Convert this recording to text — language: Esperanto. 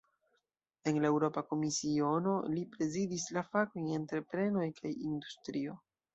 En la Eŭropa Komisiono, li prezidis la fakojn "entreprenoj kaj industrio".